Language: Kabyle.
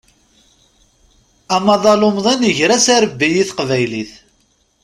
Amaḍal umḍin iger-as arebbi i teqbaylit.